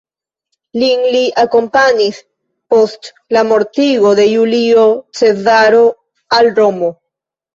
Lin li akompanis, post la mortigo de Julio Cezaro, al Romo.